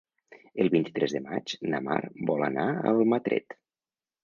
El vint-i-tres de maig na Mar vol anar a Almatret.